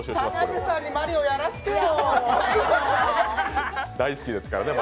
田辺さんにマリオやらせてよ。